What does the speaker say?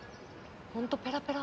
ホントペラペラ。